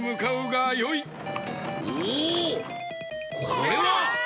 これは！